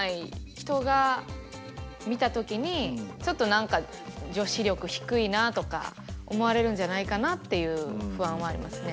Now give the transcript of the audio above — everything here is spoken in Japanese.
人が見た時にちょっと何か女子力低いなとか思われるんじゃないかなっていう不安はありますね。